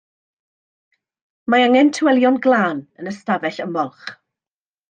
Mae angen tywelion glân yn y stafell ymolch.